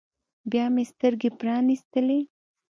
بيا مې سترګې پرانيستلې.